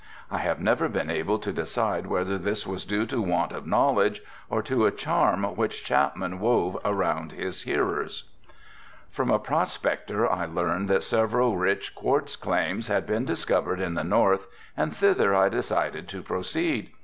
I have never been able to decide whether this was due to want of knowledge or to a charm which Chapman wove around his hearers. From a prospector I learned that several rich quartz claims had been discovered in the north and thither I decided to proceed.